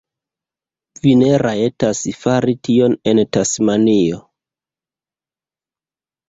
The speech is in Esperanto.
Vi ne rajtas fari tion en Tasmanio.